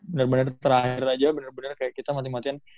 bener bener terakhir aja bener bener kayak kita mati matian